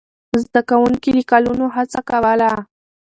زده کوونکي له کلونو هڅه کوله.